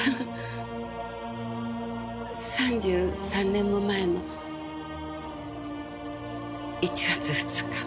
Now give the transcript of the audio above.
３３年も前の１月２日。